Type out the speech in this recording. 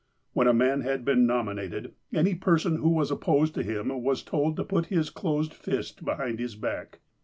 When a man had been nominated, any person who was opposed to him was told to put his closed fist behind his back.